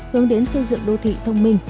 hướng đến xây dựng đô thị thông minh